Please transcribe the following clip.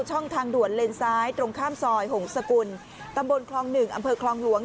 ช่องทางด่วนเลนซ้ายตรงข้ามซอยหงษกุลตำบลคลอง๑อำเภอคลองหลวง